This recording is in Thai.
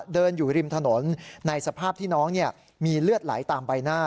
เดินอยู่ริมถนนในสภาพที่น้องมีเลือดไหลตามใบหน้า